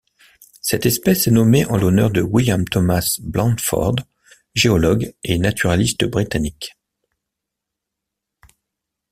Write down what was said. Cette espèce est nommée en l'honneur de William Thomas Blanford, géologue et naturaliste britannique.